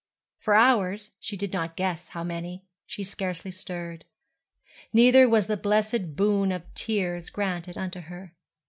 For hours, she did not guess how many, she scarcely stirred. Neither was the blessed boon of tears granted unto her.